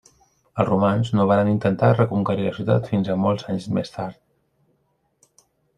Els romans no varen intentar reconquerir la ciutat fins molts anys més tard.